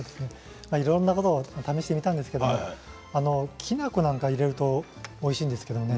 いろんなものを試してみたんですがきな粉なんかを入れるとおいしいんですけどね。